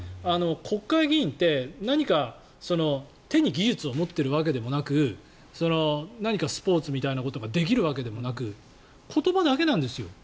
国会議員って何か手に技術を持っているわけでもなく何かスポーツみたいなことができるわけでもなく言葉だけなんですよ。